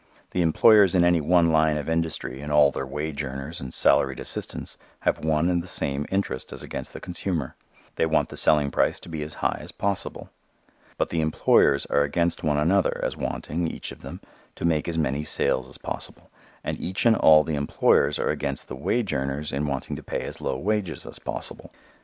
The employers in any one line of industry and all their wage earners and salaried assistants have one and the same interest as against the consumer. They want the selling price to be as high as possible. But the employers are against one another as wanting, each of them, to make as many sales as possible, and each and all the employers are against the wage earners in wanting to pay as low wages as possible.